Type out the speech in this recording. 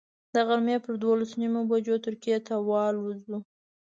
د غرمې پر دولس نیمو بجو ترکیې ته والوځو.